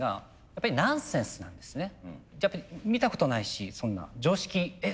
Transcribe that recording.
やっぱり見たことないしそんな常識え！